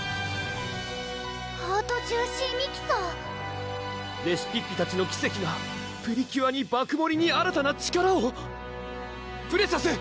ハートジューシーミキサーレシピッピたちの奇跡がプリキュアに爆盛りに新たな力をプレシャス！